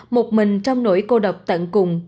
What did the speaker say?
một mình trong nỗi cô độc tận cùng